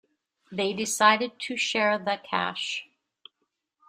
They decided to share the cash.